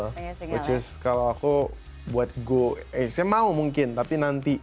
which is kalau aku buat go eh saya mau mungkin tapi nanti